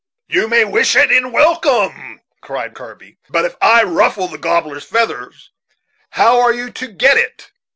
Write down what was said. "You may wish it in welcome," cried Kirby, "but if I ruffle the gobbler's feathers, how are you to get it?